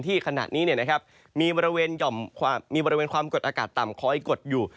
ขณะนี้มีบริเวณความกดอากาศต่ำคอยกดอยู่